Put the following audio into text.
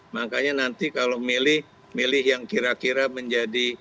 makanya nanti kalau milih milih yang kira kira menjadi